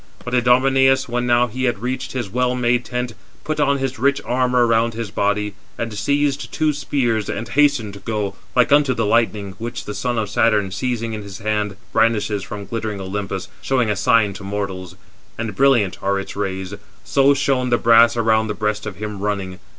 But Idomeneus, when now he had reached his well made tent, put on his rich armour around his body, and seized two spears, and hastened to go, like unto the lightning, which the son of Saturn, seizing in his hand, brandishes from glittering Olympus, showing a sign to mortals; and brilliant are its rays: so shone the brass around the breast of him running.